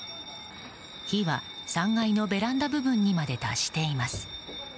火は３階のベランダ部分にまで達しています。